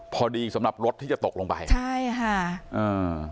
พอดีสำหรับรถที่จะตกลงไปใช่ค่ะอ่า